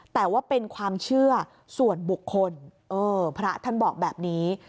แต่ว่าเป็นความเชื่อส่วนบุคคลพระท่านบอกแบบนี้